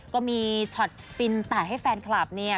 ก็มีช็อตฟินแตกให้แฟนคลับเนี่ย